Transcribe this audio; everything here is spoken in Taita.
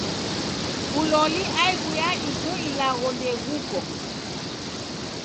W'uloli aighu ya ijo ilagho ndeghuko.